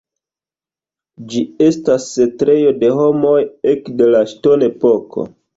Ĝi estas setlejo de homoj ekde la Ŝtonepoko.